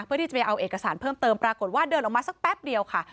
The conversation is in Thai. เพื่อที่จะไปเอาเอกสารเพิ่มเติมปรากฏว่าเดินออกมาสักแป๊บเดียวค่ะ